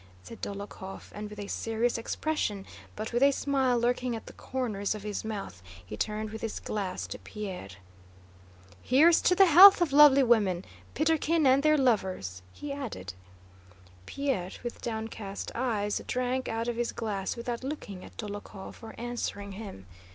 said Dólokhov, and with a serious expression, but with a smile lurking at the corners of his mouth, he turned with his glass to Pierre. "Here's to the health of lovely women, Peterkin—and their lovers!" he added. Pierre, with downcast eyes, drank out of his glass without looking at Dólokhov or answering him.